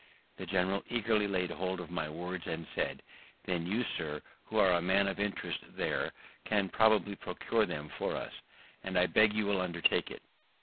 The general eagerly laid hold of my words, and said, "Then you, sir, who are a man of interest there, can probably procure them for us; and I beg you will undertake it."